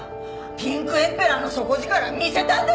ピンクエンペラーの底力見せたるでコラ！